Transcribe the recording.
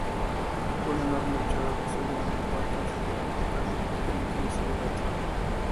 Un enorme luchador de sumo empujó entonces la roca, permitiendo salir al sol.